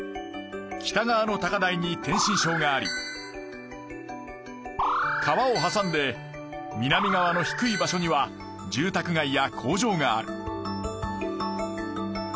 北側の高台に天真小があり川をはさんで南側の低い場所には住宅街や工場がある。